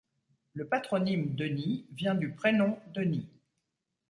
Le patronyme Denis vient du prénom Denis.